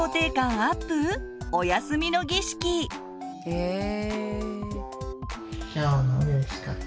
へえ。